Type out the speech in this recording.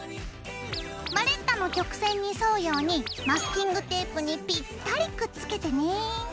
バレッタの曲線に沿うようにマスキングテープにピッタリくっつけてね。